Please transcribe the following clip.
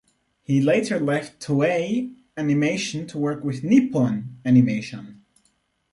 He later left Toei Animation to work with Nippon Animation.